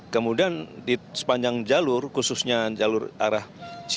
selamat sore wilam